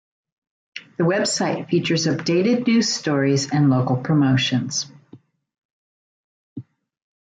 The website features updated news stories and local promotions.